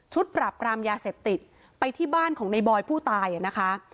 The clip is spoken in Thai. ปราบรามยาเสพติดไปที่บ้านของในบอยผู้ตายอ่ะนะคะ